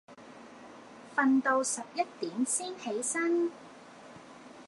訓到十一點先起身